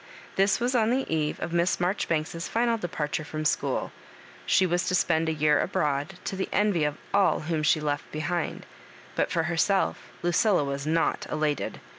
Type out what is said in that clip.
This was on the eve of Miss Marjori banks's final departure from school. She was to spend a year abroad, to the envy of all whom she left behind ; but for herself, Lucilla was not elated.